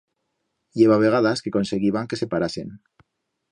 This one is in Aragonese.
I heba vegadas que conseguíbam que se parasen.